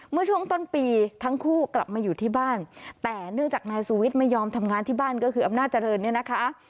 เมื่อช่วงต้นปีทั้งคู่กลับมาอยู่ที่บ้านแต่เนื่องจากนายสุวิทย์ไม่ยอมทำงานที่บ้านก็คืออำนาจเจริญเนี่ยนะคะ